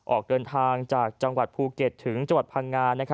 ออกเดินทางจากจังหวัดภูเก็ตถึงจังหวัดพังงา